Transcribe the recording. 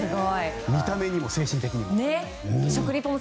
見た目にも精神的にも。